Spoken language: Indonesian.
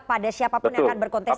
pada siapapun yang akan berkontestasi